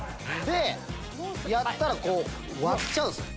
やったらこう割っちゃうんすよ。